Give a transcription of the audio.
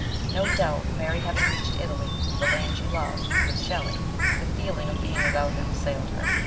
No doubt Mary having reached Italy, the land she loved, with Shelley, the feeling of being without him assailed her.